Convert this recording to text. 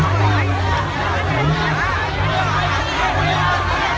ก็ไม่มีเวลาให้กลับมาเท่าไหร่